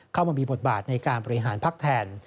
เข้ามามีบทบาทในการบริหารพักแทน